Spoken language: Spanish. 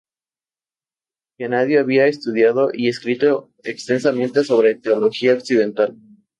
Genadio había estudiado y escrito extensamente sobre teología occidental.